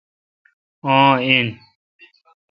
آں آ ۔این